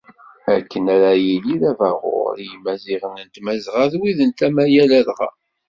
Akken ara yili d abaɣur i Yimaziɣen n Tmazɣa d wid n tama-a ladɣa.